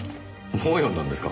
もう読んだんですか？